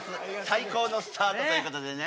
最高のスタートということでね。